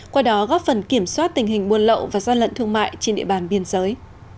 qua đó góp phần kiểm soát tình hình buôn lậu và gian lận thương mại trên địa bàn biên giới